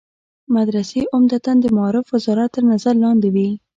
مدرسې عمدتاً د معارف وزارت تر نظر لاندې وي.